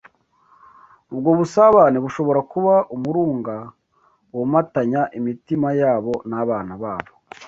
Ubwo busabane bushobora kuba umurunga womatanya imitima yabo n’abana babo